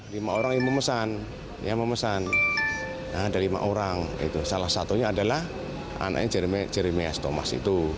lima orang yang memesan ada lima orang salah satunya adalah anaknya jeremy s thomas